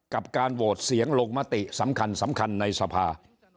กับการโหวตเสียงโลกมติสำคัญในสภา